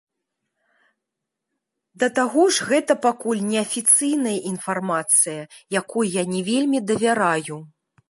Да таго ж, гэта пакуль неафіцыйная інфармацыя, якой я не вельмі давяраю.